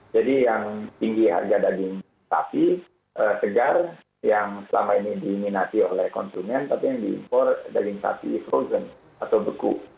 jadi yang tinggi harga daging sapi segar yang selama ini diminati oleh konsumen tapi yang diimpor daging sapi frozen atau beku